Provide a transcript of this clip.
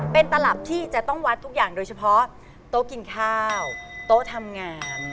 เป็นตลับที่จะต้องวัดทุกอย่างโดยเฉพาะโต๊ะกินข้าวโต๊ะทำงาน